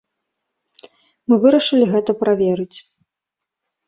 Мы вырашылі гэта праверыць.